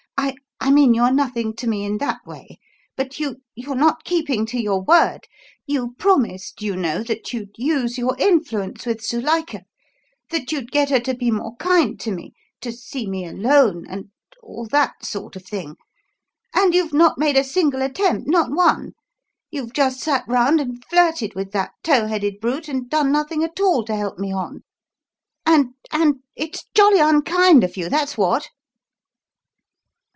I I mean you are nothing to me in that way. But you you're not keeping to your word. You promised, you know, that you'd use your influence with Zuilika; that you'd get her to be more kind to me to see me alone and and all that sort of thing. And you've not made a single attempt not one. You've just sat round and flirted with that tow headed brute and done nothing at all to help me on; and and it's jolly unkind of you, that's what!"